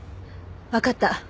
わかった。